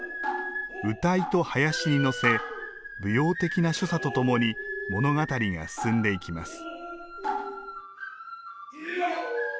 謡と囃子に乗せ舞踊的な所作とともに物語が進んでいきます。